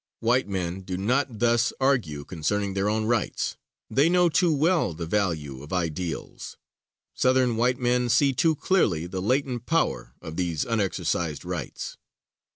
White men do not thus argue concerning their own rights. They know too well the value of ideals. Southern white men see too clearly the latent power of these unexercised rights.